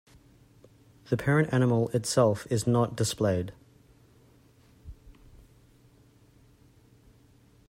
The parent animal itself is not displayed.